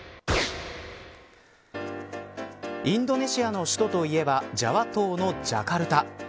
インドネシアの首都といえばジャワ島のジャカルタ。